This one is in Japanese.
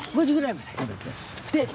５時ぐらいまで？